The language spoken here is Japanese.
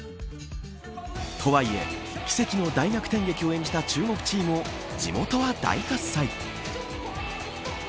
とはいえ、奇跡の大逆転劇を演じた中国チームを地元は大喝采。